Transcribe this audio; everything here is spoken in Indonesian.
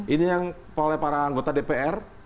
ini yang oleh para anggota dpr